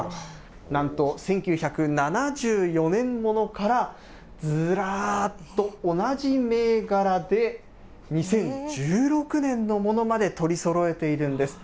なんと１９７４年物から、ずらーっと、同じ銘柄で２０１６年のものまで取りそろえているんです。